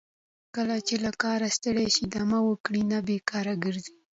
کله چې له کاره ستړي شئ دمه وکړئ نه بیکاره ګرځئ.